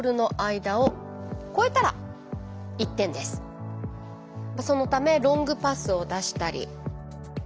選手がそのためロングパスを出したり。